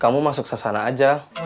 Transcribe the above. kamu masuk sasana aja